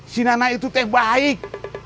si nenek itu teh baik